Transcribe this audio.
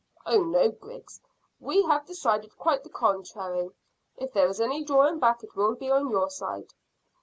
"Oh no, Griggs. We have decided quite the contrary. If there is any drawing back it will be on your side."